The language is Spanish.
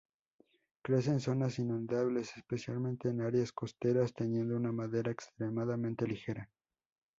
Crece en zonas inundables, especialmente en áreas costeras, teniendo una madera extremadamente ligera.